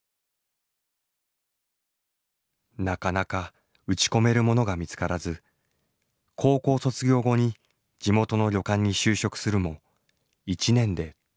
なかなか打ち込めるものが見つからず高校卒業後に地元の旅館に就職するも１年で退職した。